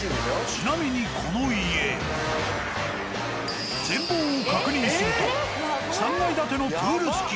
ちなみにこの家全貌を確認すると３階建てのプール付き。